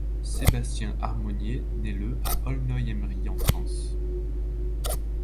Sébastien Harbonnier naît le à Aulnoye-Aymeries en France.